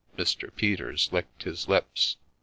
Mr. Peters licked his lips.